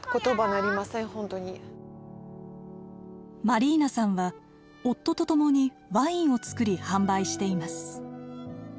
マリーナさんは夫と共にワインを造り販売しています。